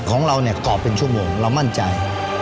ของเราเนี่ยกรอบเป็นชั่วโมงเรามั่นใจ